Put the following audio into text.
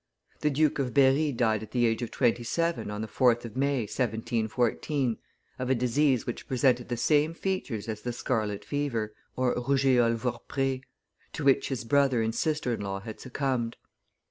The Duke of Berry died at the age of twenty seven on the 4th of May, 1714, of a disease which presented the same features as the scarlet fever (rougeole vourpree) to which his brother and sister in law had succumbed.